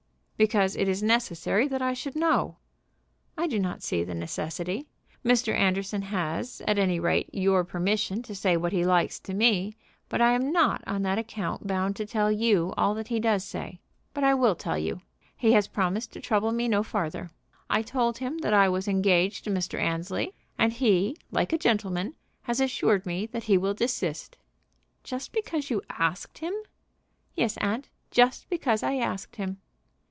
"Because it is necessary that I should know." "I do not see the necessity. Mr. Anderson has, at any rate, your permission to say what he likes to me, but I am not on that account bound to tell you all that he does say. But I will tell you. He has promised to trouble me no farther. I told him that I was engaged to Mr. Annesley, and he, like a gentleman, has assured me that he will desist." "Just because you asked him?" "Yes, aunt; just because I asked him."